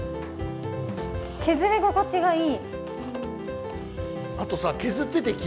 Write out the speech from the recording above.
削り心地がいい！